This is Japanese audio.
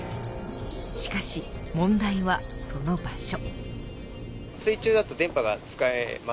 しかし問題はその場所。